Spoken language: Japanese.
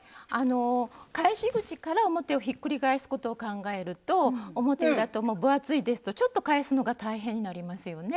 返し口から表をひっくり返すことを考えると表裏とも分厚いですとちょっと返すのが大変になりますよね。